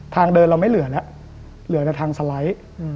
ทางเดินเราไม่เหลือแล้วเหลือแต่ทางสไลด์